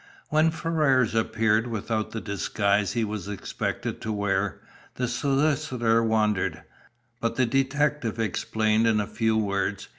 When Ferrars appeared without the disguise he was expected to wear, the solicitor wondered. But the detective explained in a few words.